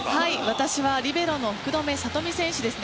私は、リベロの福留慧美選手です。